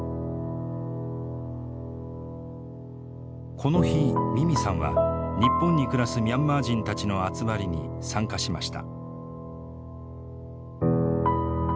この日ミミさんは日本に暮らすミャンマー人たちの集まりに参加しました。